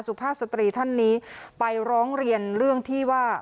สุภาพสตรีท่านนี้ไปร้องเรียนเรื่องที่ว่า